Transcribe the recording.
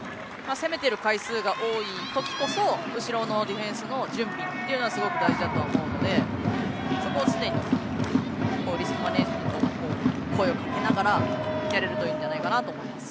攻めている回数が多いときこそ後ろのディフェンスの準備というのがすごく大事だと思うのでそこを常にリスクマネジメント声をかけながらやれるといいんじゃないかなと思います。